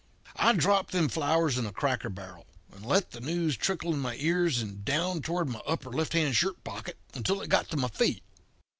"I dropped them flowers in a cracker barrel, and let the news trickle in my ears and down toward my upper left hand shirt pocket until it got to my feet.